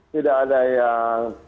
tidak ada yang